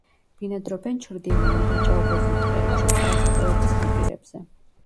ბინადრობენ ჩრდილიან, დაჭაობებულ ტყეებში, წყალსატევების ნაპირებზე.